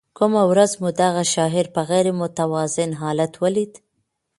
کومه ورځ مو دغه شاعر په غیر متوازن حالت ولید.